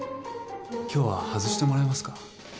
今日は外してもらえますか？